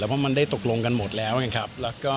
แล้วมันได้ตกลงกันหมดแล้วนะครับ